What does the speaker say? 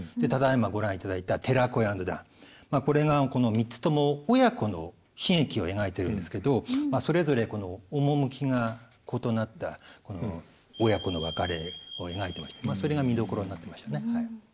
ただいまご覧いただいた「寺子屋の段」これがこの３つとも親子の悲劇を描いてるんですけどそれぞれ趣が異なった親子の別れを描いてましてそれが見どころになってましたね。